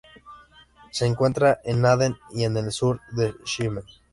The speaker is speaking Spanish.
Se encuentra en Aden y en el sur de Yemen.